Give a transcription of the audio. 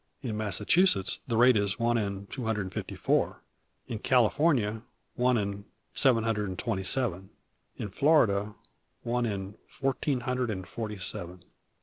In Massachusetts, the rate is one in two hundred and fifty four; in California, one in seven hundred and twenty seven; in Florida, one in fourteen hundred and forty seven.